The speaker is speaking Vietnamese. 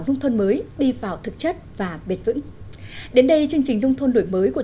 nông thôn mới đi vào thực chất và bền vững đến đây chương trình nông thôn đổi mới của